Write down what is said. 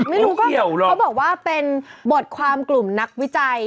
แล้วเค้าบอกว่าเป็นบทความกลุ่มนักวิจัย